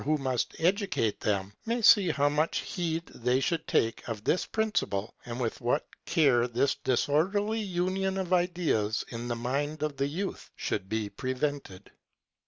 m] ON HUMAN UNDERSTANDING 29 must educate them, may see how much heed they should take of this principle, and with what care this disorderly union of ideas in the mind of the youth should be prevented.